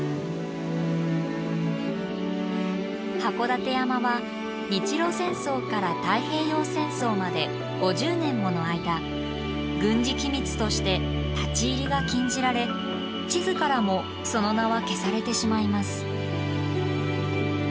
函館山は日露戦争から太平洋戦争まで５０年もの間軍事機密として立ち入りが禁じられ地図からもその名は消されてしまいます。